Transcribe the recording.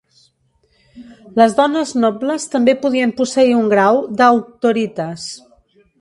Les dones nobles també podien posseir un grau d'"auctoritas".